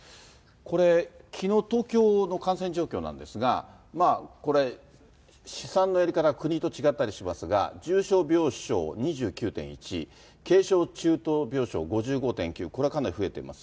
これ、きのう、東京の感染状況なんですが、これ、試算のやり方が国と違ったりしますが、重症病床２９．１、軽症・中等病床５５．９、これはかなり増えています。